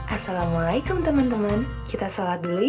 assalamualaikum teman teman kita sholat dulu